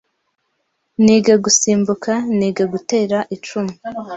niga gusimbuka, niga gutera icumu